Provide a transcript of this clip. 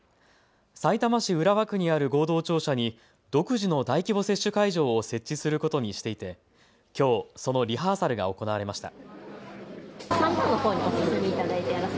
さいたま市浦和区にある合同庁舎に独自の大規模接種会場を設置することにしていてきょう、そのリハーサルが行われました。